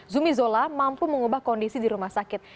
zumi zola mampu mengubah kondisi di rumah sakit